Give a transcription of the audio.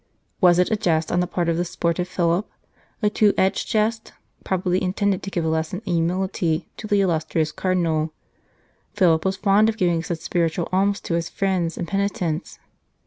Was it a jest on the part of the sportive Philip ? A two edged jest, probably intended to give a lesson in humility to the illustrious Cardinal. Philip was fond of giving such spiritual alms to his friends and penitents.